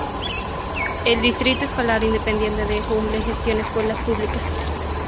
El Distrito Escolar Independiente de Humble gestiona escuelas públicas.